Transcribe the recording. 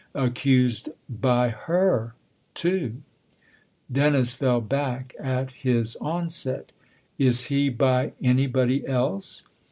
"Accused by her too ?" Dennis fell back at his onset. " Is he by anybody else